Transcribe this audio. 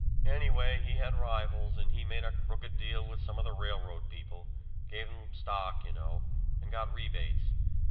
Anyway, he had rivals, and he made a crooked deal with some of the railroad people gave them stock you know and got rebates.